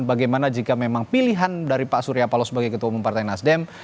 bagaimana jika memang pilihan dari pak surya paloh sebagai ketua umum partai nasdem